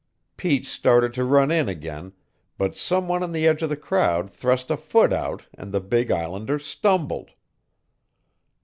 Pete started to run in again, but some one on the edge of the crowd thrust a foot out and the big islander stumbled.